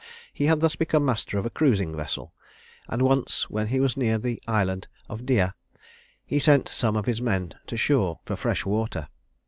He had thus become master of a cruising vessel; and once, when he was near the island of Dia, he sent some of his men to shore for fresh water.